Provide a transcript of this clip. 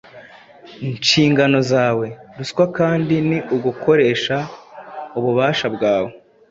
nshingano zawe. Ruswa kandi ni ugukoresha ububasha bwawe